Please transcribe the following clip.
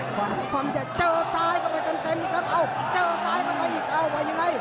ความจะเจอซ้ายกันเต็มอีกครับเอ้าเจอซ้ายกันไปอีกเอ้าว่ายังไง